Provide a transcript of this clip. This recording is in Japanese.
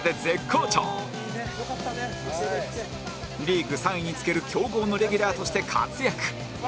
リーグ３位につける強豪のレギュラーとして活躍